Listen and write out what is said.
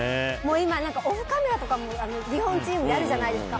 今、オフカメラとかも日本チームのあるじゃないですか。